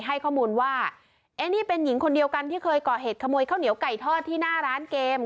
ให้ข้อมูลว่าเอ๊ะนี่เป็นหญิงคนเดียวกันที่เคยก่อเหตุขโมยข้าวเหนียวไก่ทอดที่หน้าร้านเกม